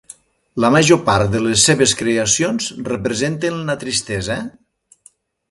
La major part de les seves creacions representen la tristesa?